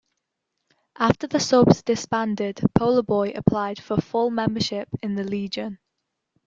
After the Subs disbanded Polar Boy applied for full membership in the Legion.